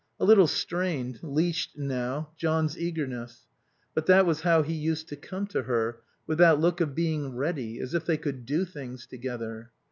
A little strained, leashed now, John's eagerness. But that was how he used to come to her, with that look of being ready, as if they could do things together.